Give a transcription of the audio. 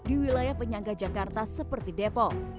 di wilayah penyangga jakarta seperti depok